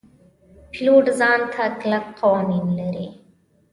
پیلوټ ځان ته کلک قوانین لري.